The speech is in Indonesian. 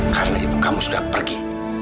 karena ibu kamu sudah pergi